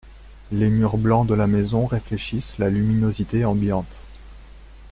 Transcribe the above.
Les murs blancs de la maison réfléchissent la luminosité ambiante.